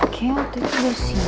kayaknya udah sini deh